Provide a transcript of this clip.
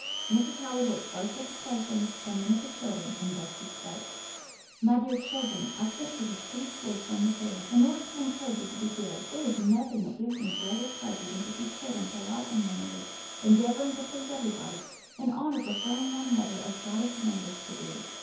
Mrs. Howard looked first at the playthings, and then at the children, and thus she spoke: "'My dear children, I sent for these pretty toys from the fair, in order to encourage you to be good: there is nothing that gives me greater pleasure than to see children polite and mannerly, endeavouring to please everybody, "in honour preferring one another," as God hath commanded us to do.